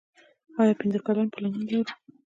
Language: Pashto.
آیا پنځه کلن پلانونه لرو؟